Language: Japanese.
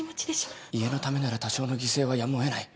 家のためなら多少の犠牲はやむを得ない。